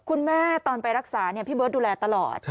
แม่ตอนไปรักษาพี่เบิร์ตดูแลตลอด